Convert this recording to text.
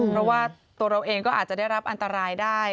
เพราะว่าตัวเราเองก็อาจจะได้รับอันตรายได้